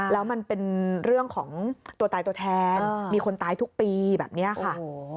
แล้วมันเป็นเรื่องของตัวตายตัวแทนมีคนตายทุกปีแบบนี้ค่ะ